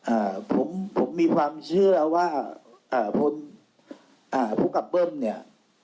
อ่าผมผมมีความเชื่อว่าอ่าพลอ่าผู้กับเบิ้มเนี่ย